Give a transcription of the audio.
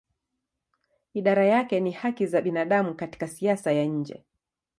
Idara yake ni haki za binadamu katika siasa ya nje.